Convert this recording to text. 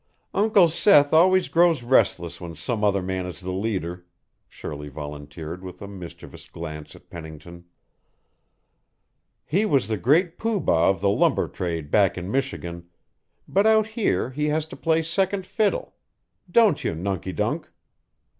"Uncle Seth always grows restless when some other man is the leader," Shirley volunteered with a mischievous glance at Pennington. "He was the Great Pooh Bah of the lumber trade back in Michigan, but out here he has to play second fiddle. Don't you, Nunky dunk?"